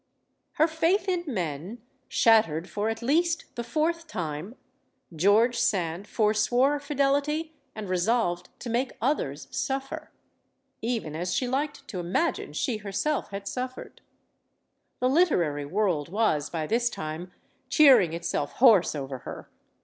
Her faith in men shattered for at lest the fourth time, George Sand forswore fidelity and resolved to make others suffer; even as she liked to imagine she herself had suffered. The literary world was by this time cheering itself hoarse over her.